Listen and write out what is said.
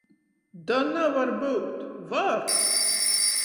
-Da navar byut! Var!